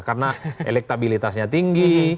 karena elektabilitasnya tinggi